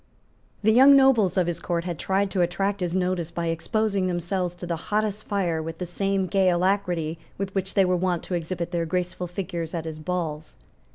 The young nobles of his court had tried to attract his notice by exposing themselves to the hottest fire with the same gay alacrity with which they were wont to exhibit their graceful figures at his balls.